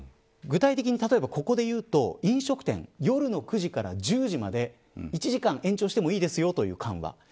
具体的にここでいうと飲食店夜の９時から１０時まで１時間延長してもいいという緩和。